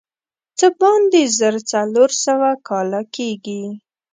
څه باندې زر څلور سوه کاله کېږي.